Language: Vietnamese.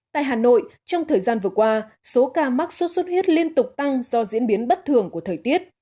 tại hà nội trong thời gian vừa qua số ca mắc sốt xuất huyết liên tục tăng do diễn biến bất thường của thời tiết